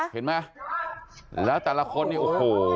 เห็นมั้ยแล้วแต่ละคนเนี่ยโอ้โห